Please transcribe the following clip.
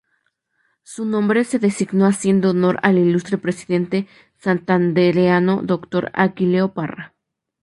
Su nombre se designó haciendo honor al ilustre presidente santandereano doctor Aquileo Parra.